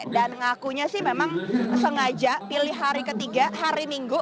dan ngakunya sih memang sengaja pilih hari ketiga hari minggu